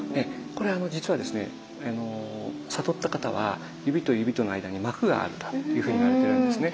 これは実はですね悟った方は指と指との間に膜があったっていうふうに言われてるんですね。